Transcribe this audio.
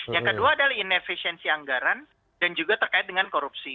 yang kedua adalah inefisiensi anggaran dan juga terkait dengan korupsi